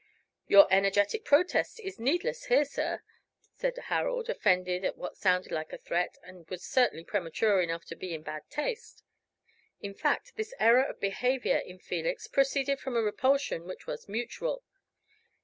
"Your energetic protest is needless here, sir," said Harold, offended at what sounded like a threat, and was certainly premature enough to be in bad taste. In fact, this error of behavior in Felix proceeded from a repulsion which was mutual.